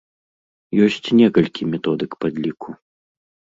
Ёсць некалькі методык падліку.